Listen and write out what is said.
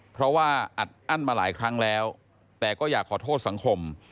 เพราะว่าอัดอั้นมาหลายครั้งแล้วแต่ก็อยากขอโทษสังคม